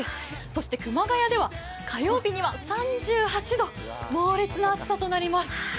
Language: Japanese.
そして熊谷では火曜日には３８度、猛烈な暑さとなります。